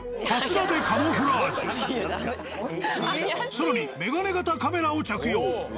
更にメガネ型カメラを着用。